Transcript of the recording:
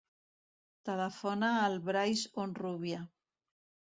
Telefona al Brais Honrubia.